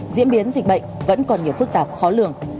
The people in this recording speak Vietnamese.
diễn biến dịch bệnh vẫn còn nhiều phức tạp khó lường